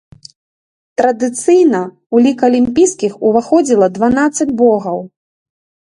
Традыцыйна ў лік алімпійскіх уваходзіла дванаццаць богаў.